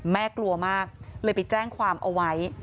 กลัวมากเลยไปแจ้งความเอาไว้